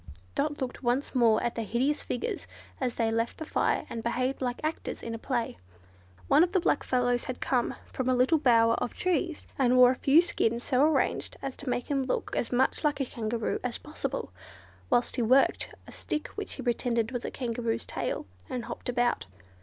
Dot looked once more at the hideous figures as they left the fire and behaved like actors in a play. One of the black fellows had come from a little bower of trees, and wore a few skins so arranged as to make him look as much like a Kangaroo as possible, whilst he worked a stick which he pretended was a Kangaroo's tail, and hopped about.